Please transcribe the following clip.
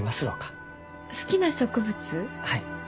はい。